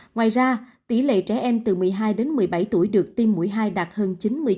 ngoài ra tỷ lệ trẻ em từ một mươi hai đến một mươi bảy tuổi được tiêm mũi hai đạt hơn chín mươi tám